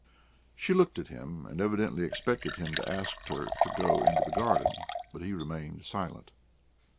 She looked at him, and evidently expected him to ask her to go into the garden, but he remained silent.